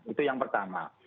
itu yang pertama